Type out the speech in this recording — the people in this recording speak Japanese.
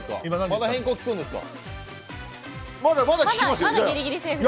まだ変更きくんですか？